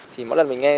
thì mỗi lần mình nghe